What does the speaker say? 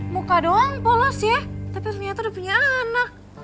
muka doang polos ya tapi ternyata udah punya anak